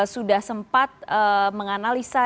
sudah sempat menganalisa